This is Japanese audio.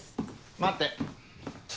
待って。